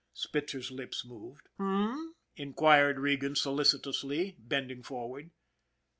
Spitzer's lips moved. " H'm ?" inquired Regan solicitously, bending for ward.